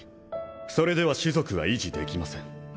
それでは種族は維持できません。